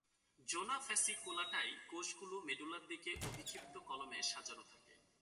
জোনা ফ্যাসিকুলাটায় কোষগুলি মেডুলার দিকে অভিক্ষিপ্ত কলামে সাজানো থাকে।